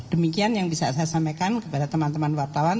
demikian yang bisa saya sampaikan kepada teman teman wartawan